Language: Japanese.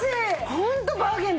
ホントバーゲンだ。